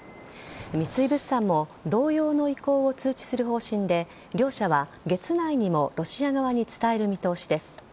三井物産も同様の意向を通知する方針で両社は月内にもロシア側に伝える見通しです。